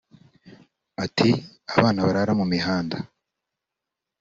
Ati” Abana barara mu mihanda